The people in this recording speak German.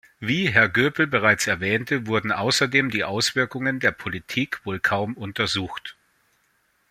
Wie Herr Goepel bereits erwähnte, wurden außerdem die Auswirkungen der Politik wohl kaum untersucht.